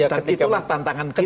dan itulah tantangan kita